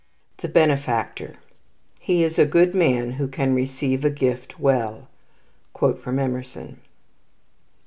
The Benefactor "He is a good man who can receive a gift well." EMERSON.